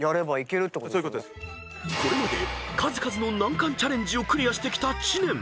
［これまで数々の難関チャレンジをクリアしてきた知念］